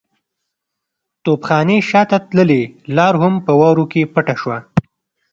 د توپخانې شاته تللې لار هم په واورو کې پټه شوه.